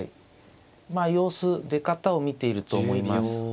まあ様子出方を見ていると思います。